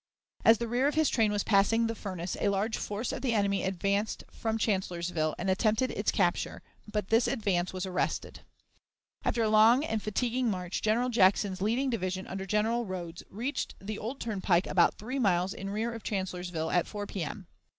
As the rear of his train was passing the furnace a large force of the enemy advanced from Chancellorsville and attempted its capture, but this advance was arrested. After a long and fatiguing march General Jackson's leading division under General Rodes reached the old turnpike about three miles in rear of Chancellorsville at 4 P.M.